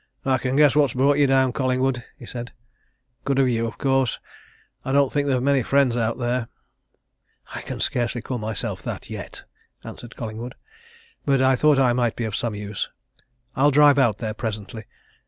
"I can guess what's brought you down, Collingwood," he said. "Good of you, of course I don't think they've many friends out there." "I can scarcely call myself that yet," answered Collingwood. "But I thought I might be of some use. I'll drive out there presently.